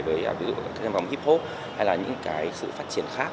với ví dụ các thêm vòng hip hop hay là những cái sự phát triển khác